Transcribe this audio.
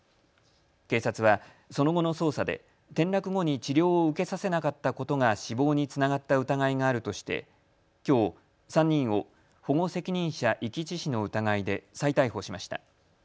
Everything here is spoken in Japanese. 警察はその後の捜査で転落後に治療を受けさせなかったことが死亡につながった疑いがあるとして、きょう３人を保護責任者遺棄致死の疑いで再逮捕しました。